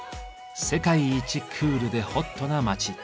世界一クールでホットな街。